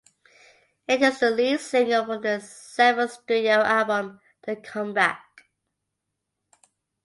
It is the lead single from their seventh studio album "The Comeback".